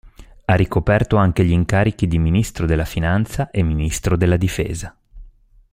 Ha ricoperto anche gli incarichi di Ministro della finanza e Ministro della difesa.